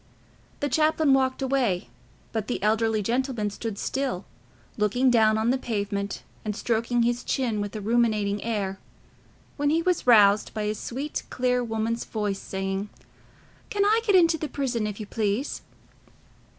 The chaplain walked away, but the elderly gentleman stood still, looking down on the pavement and stroking his chin with a ruminating air, when he was roused by a sweet clear woman's voice, saying, "Can I get into the prison, if you please?"